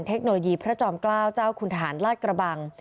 เทคโนโลยีพระจอมเกล้าเจ้าคุณทหารลาดกระบัง